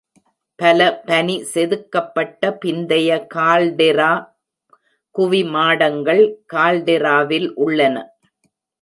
பல பனி செதுக்கப்பட்ட பிந்தைய கால்டெரா குவிமாடங்கள் கால்டெராவில் உள்ளன.